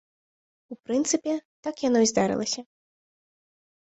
У прынцыпе, так яно і здарылася.